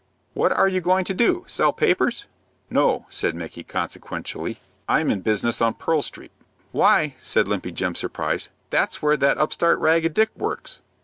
What are you going to do? Sell papers?" "No," said Micky, consequentially. "I'm in business on Pearl Street." "Why," said Limpy Jim, surprised, "that's where that upstart Ragged Dick works."